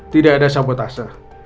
tidak ada sabotase